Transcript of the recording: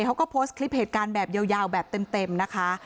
เขาก็โพสต์คลิปเหตุการณ์แบบยาวแบบเต็มนะคะ